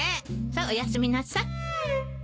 さっおやすみなさい。